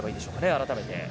改めて。